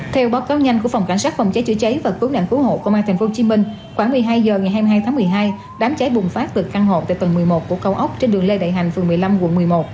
theo báo cáo nhanh của phòng cảnh sát phòng cháy chữa cháy và cướp nạn cứu hộ công an thành phố hồ chí minh khoảng một mươi hai h ngày hai mươi hai tháng một mươi hai đám cháy bùng phát từ căn hộ tại tầng một mươi một của cao ốc trên đường lê đại hành phường một mươi năm quận một mươi một